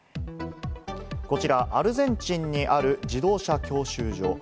こちら、アルゼンチンにある自動車教習所。